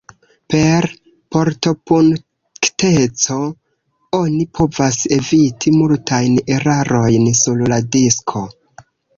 Per portopunkteco oni povas eviti multajn erarojn sur la disko.